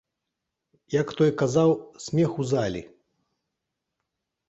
Як той казаў, смех у залі.